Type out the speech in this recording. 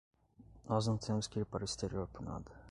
Nós não temos que ir para o exterior por nada.